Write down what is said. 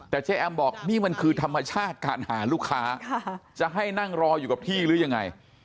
แต่เจ๊แอมบอกนี่มันคือธรรมชาติการหาลูกค้าจะให้นั่งรออยู่กับที่หรือยังไง